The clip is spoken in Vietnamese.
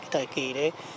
thời kỳ đấy